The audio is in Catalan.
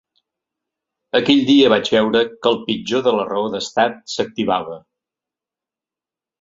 Aquell dia vaig veure que el pitjor de la raó d’estat s’activava.